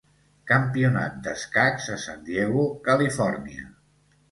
Campionat d'escacs a San Diego, Califòrnia.